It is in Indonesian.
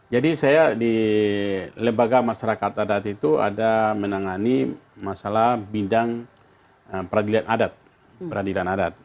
jadi saya di lembaga masyarakat adat itu ada menangani masalah bidang peradilan adat